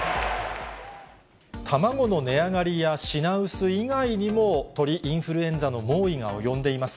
卵の値上がりや品薄以外にも、鳥インフルエンザの猛威が及んでいます。